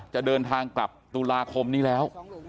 จะเดินทางกลับตุลาคมนี้แล้ว